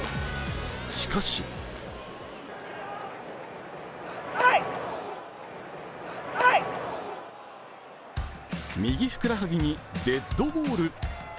しかし右ふくらはぎにデッドボール。